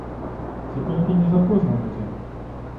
Ці толькі не запозна будзе.